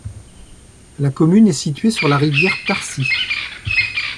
La commune est située sur la rivière Tarsy.